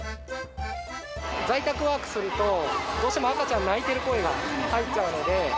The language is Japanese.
在宅ワークすると、どうしても赤ちゃん、泣いている声が入っちゃうので。